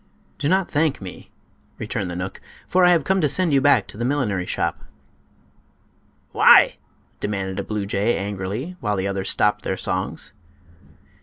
"Do not thank me," returned the knook, "for I have come to send you back to the millinery shop." "Why?" demanded a blue jay, angrily, while the others stopped their songs.